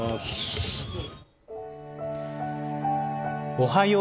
おはよう！